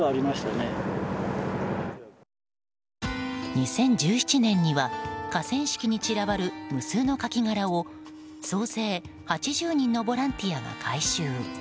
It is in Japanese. ２０１７年には河川敷に散らばる無数のカキ殻を総勢８０人のボランティアが回収。